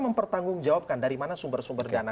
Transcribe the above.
mempertanggung jawabkan dari mana sumber sumber dana